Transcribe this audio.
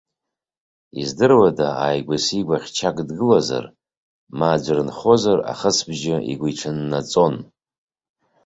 Издыруада, ааигәа-сигәа хьчак дгылазар, ма аӡәыр дынхозар, ахысыбжь игәиҽаннаҵон.